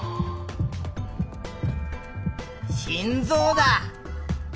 「心臓」だ。